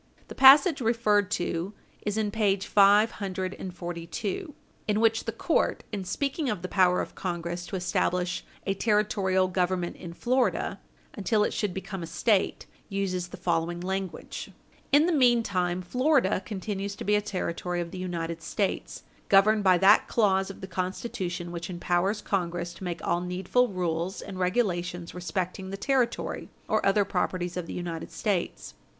The passage referred to is in page 26 U. S. 542, in which the court, in speaking of the power of Congress to establish a Territorial Government in Florida until it should become a State, uses the following language: "In the meantime, Florida continues to be a Territory of the United States, governed by that clause of the Constitution which empowers Congress to make all needful rules and regulations respecting the territory or other property of the United States.